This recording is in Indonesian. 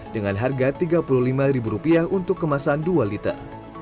dengan harga rp tiga puluh lima untuk kemasan dua liter